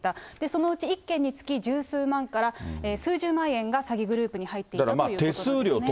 そのうち１件につき十数万から数十万円が詐欺グループに入っていたということですね。